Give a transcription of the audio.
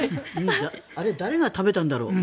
あれ誰が食べたんだろう？